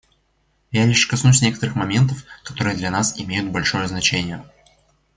Я лишь коснусь некоторых моментов, которые для нас имеют большое значение.